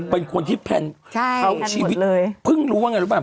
เป็นคนที่แพลนเข้าชีวิตใช่แพลนหมดเลยเพิ่งรู้ว่าไงรึเปล่า